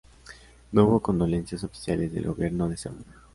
No hubo condolencias oficiales del gobierno de Seúl.